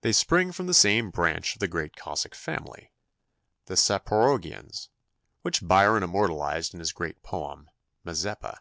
They spring from the same branch of the great Cossack family, the Zaporogians, which Byron immortalized in his great poem "Mazeppa."